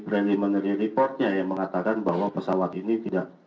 branlimary reportnya yang mengatakan bahwa pesawat ini tidak